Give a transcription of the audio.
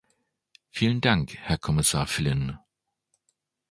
Vielen Dank, Herr Kommissar Flynn!